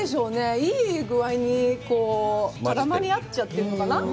いいぐあいに絡まり合っちゃってるのかな？